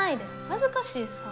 恥ずかしいさ。